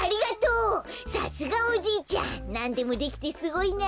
さすがおじいちゃんなんでもできてすごいな。